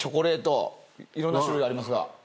いろんな種類ありますが。